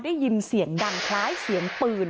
ได้ยินเสียงดังคล้ายเสียงปืน